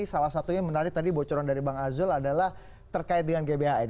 salah satunya menarik tadi bocoran dari bang azul adalah terkait dengan gbhn